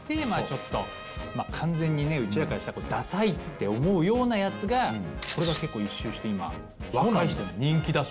ちょっと完全にねうちらからしたらダサいって思うようなやつがこれが結構一周して今若い人に人気だそうですから。